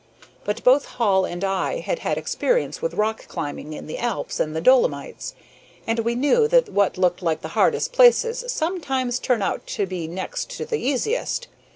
But both Hall and I had had experience with rock climbing in the Alps and the Dolomites, and we knew that what looked like the hardest places sometimes turn out to be next to the easiest.